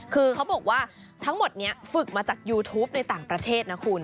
คือเขาบอกว่าทั้งหมดนี้ฝึกมาจากยูทูปในต่างประเทศนะคุณ